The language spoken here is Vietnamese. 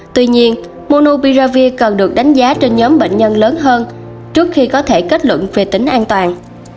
tuy nhiên monobiravi cần được đánh giá trên nhóm bệnh nhân lớn hơn trước khi có thể kết luận về tính an toàn